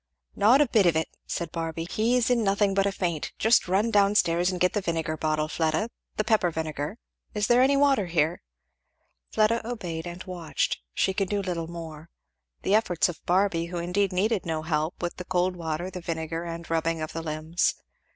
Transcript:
"Not a bit of it!" said Barby "he's in nothing but a faint just run down stairs and get the vinegar bottle, Fleda the pepper vinegar. Is there any water here? " Fleda obeyed; and watched, she could do little more, the efforts of Barby, who indeed needed no help, with the cold water, the vinegar, and rubbing of the limbs.